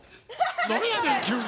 何やねん急に！